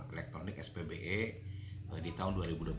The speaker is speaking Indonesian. elektronik spbe di tahun dua ribu dua puluh satu